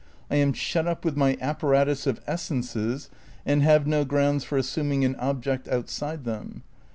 I am shut up with my apparatus of essences and have no grounds for assuming an object outside them.